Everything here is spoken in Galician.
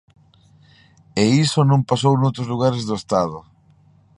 E iso non pasou noutros lugares do Estado.